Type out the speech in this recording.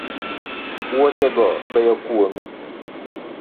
Wuoche go beyo kuomi